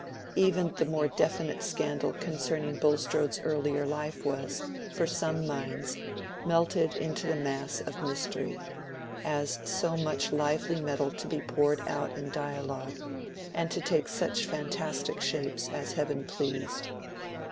Even the more definite scandal concerning Bulstrode's earlier life was, for some minds, melted into the mass of mystery, as so much lively metal to be poured out in dialogue, and to take such fantastic shapes as heaven pleased.